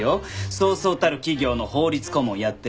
そうそうたる企業の法律顧問やってるし。